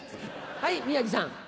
はい宮治さん。